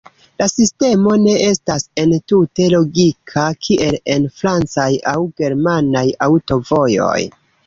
La sistemo ne estas entute logika kiel en francaj aŭ germanaj aŭtovojoj.